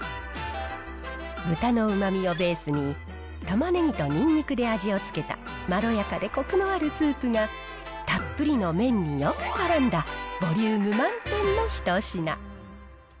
豚のうまみをベースに、タマネギとニンニクで味をつけた、まろやかでコクのあるスープが、たっぷりの麺によくからんだボリューム満点の一品。